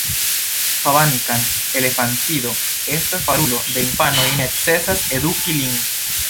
Kvankam elefantido estas karulo de infanoj, necesas eduki lin.